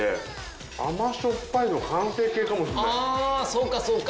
そうかそうか。